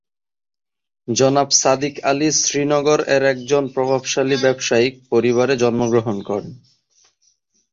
জনাব সাদিক আলী শ্রীনগর এর একজন প্রভাবশালী ব্যবসায়িক পরিবারে জন্মগ্রহণ করেন।